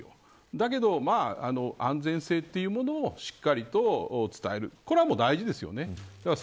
だけど安全性というものをしっかりと伝えるこれは大事ですよね。